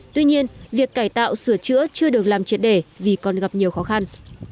tuy nhiên việc cải tạo sửa chữa chưa được làm triệt để vì còn gặp nhiều khó khăn